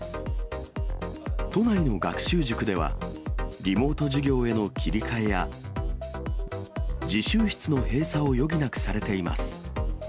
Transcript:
都内の学習塾では、リモート授業への切り替えや、自習室の閉鎖を余儀なくされています。